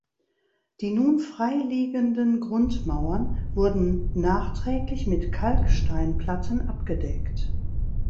Die nun freiliegenden Grundmauern wurden nachträglich mit Kalksteinplatten abgedeckt.